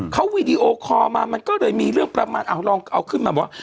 เค้าวีดีโอคอมันก็เลยมีเรื่องประมาณเอาก็ลองเอาขึ้นแบบว่า